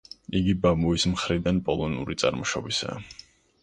იგი ბაბუის მხრიდან პოლონური წარმოშობისაა.